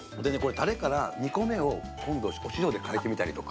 タレから、２個目を今度、塩で変えてみたりとか。